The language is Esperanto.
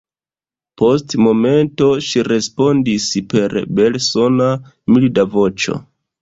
Post momento ŝi respondis per belsona, milda voĉo: